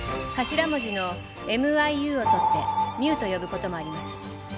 頭文字のＭ・Ｉ・Ｕを取ってミュウと呼ぶこともあります